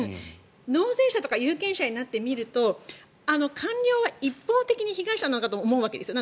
納税者とか有権者になってみると官僚は一方的に被害者なのかと思うんです。